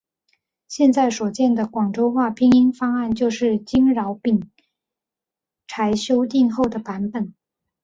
现在所见的广州话拼音方案就是经饶秉才修订后的版本。